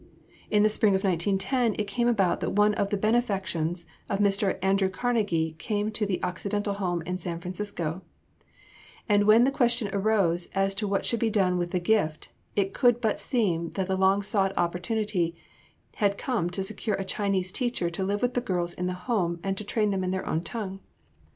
In the spring of 1910 it came about that one of the benefactions of Mr. Andrew Carnegie came to the Occidental Home in San Francisco, and when the question arose as to what should be done with the gift it could but seem that the long sought opportunity had come to secure a Chinese teacher to live with the girls in the Home and to train them in their own tongue.